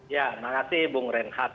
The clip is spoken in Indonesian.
ya makasih bung renhad